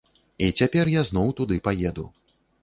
І цяпер я зноў туды паеду.